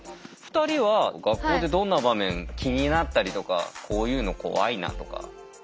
２人は学校でどんな場面気になったりとかこういうの怖いなとか。